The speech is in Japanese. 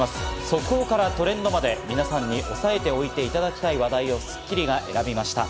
速報からトレンドまで皆さんに押さえておいていただきたい話題を『スッキリ』が選びました。